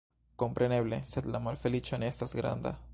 Kompreneble, sed la malfeliĉo ne estas granda.